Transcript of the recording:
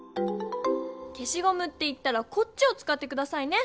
けしごむっていったらこっちをつかってくださいね！